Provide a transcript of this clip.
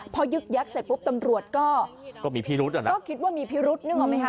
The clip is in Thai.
พอยึกยักษ์เสร็จปุ๊บตำรวจก็มีพิรุษอ่ะนะก็คิดว่ามีพิรุษนึกออกไหมคะ